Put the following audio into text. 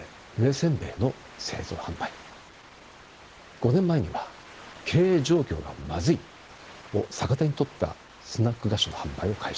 ５年前には「経営状況がまずい」を逆手にとったスナック菓子の販売を開始